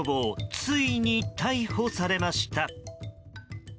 ついに逮捕されました。